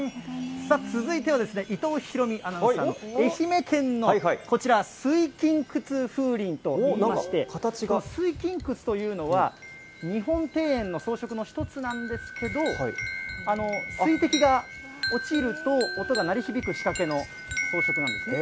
さあ、続いてはですね、伊藤大海アナウンサーの、愛媛県のこちら、水琴窟風鈴といいまして、水琴窟というのは、日本庭園の装飾の一つなんですけど、水滴が落ちると音が鳴り響く仕掛けの装飾なんですね。